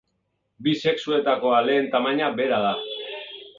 Bi sexuetako aleen tamaina bera da.